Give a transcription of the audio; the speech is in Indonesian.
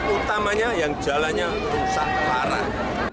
utamanya yang jalannya rusak parah